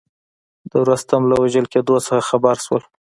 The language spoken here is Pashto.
د رستم له وژل کېدلو څخه خبر شول.